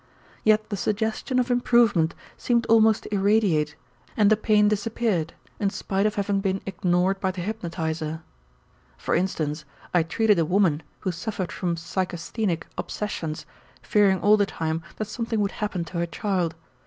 Yet the suggestion of improvement seemed almost to irradiate and the pain disappeared in spite of having been ignored by the hypnotizer. For instance, I treated a woman who suffered from psychasthenic obsessions, fearing all the time that something would happen to her child.